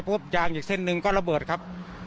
ยางอีกเส้นหนึ่งก็ระเบิดครับ